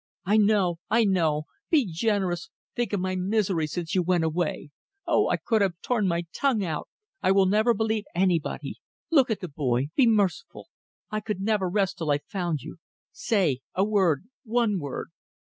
"I know! I know Be generous. Think of my misery since you went away Oh! I could have torn my tongue out. ... I will never believe anybody Look at the boy Be merciful I could never rest till I found you. ... Say a word one word.